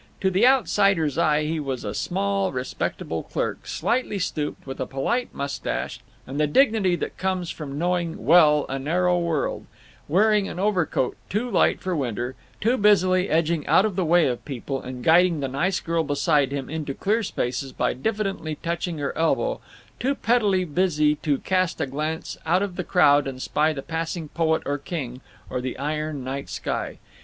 To the outsider's eye he was a small respectable clerk, slightly stooped, with a polite mustache and the dignity that comes from knowing well a narrow world; wearing an overcoat too light for winter; too busily edging out of the way of people and guiding the nice girl beside him into clear spaces by diffidently touching her elbow, too pettily busy to cast a glance out of the crowd and spy the passing poet or king, or the iron night sky.